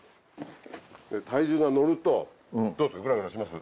体重がのるとどうです？